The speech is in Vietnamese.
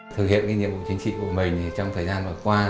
thực hiện nhiệm vụ chính trị của mình trong thời gian vừa qua